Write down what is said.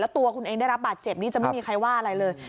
ตัวคุณเองได้รับบาดเจ็บนี่จะไม่มีใครว่าอะไรเลย